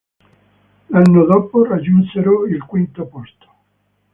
L'anno dopo raggiunsero il quinto posto.